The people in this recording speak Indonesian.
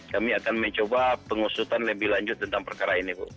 kami akan mencoba pengusutan lebih lanjut tentang perkara ini bu